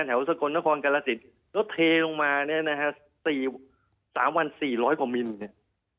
แถวสกลนครกรสินก็เทลงมาเนี่ยนะฮะสี่สามวันสี่ร้อยกว่ามิลเนี่ย